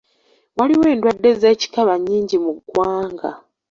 Waliwo endwadde z'ekikaba nnyingi mu ggwanga.